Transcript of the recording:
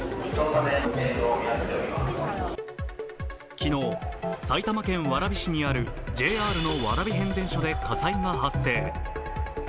昨日、埼玉県蕨市にあるＪＲの蕨変電所で火災が発生。